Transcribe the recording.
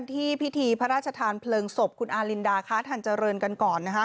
ที่พิธีพระราชทานเพลิงศพคุณอารินดาค้าทันเจริญกันก่อนนะคะ